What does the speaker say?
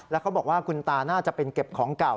แล้วเขาบอกว่าคุณตาน่าจะเป็นเก็บของเก่า